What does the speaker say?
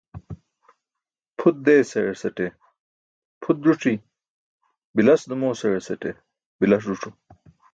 Pʰut deesaẏasate pʰut ẓuc̣i, bilas Dumoosaẏasate bilas ẓuc̣o.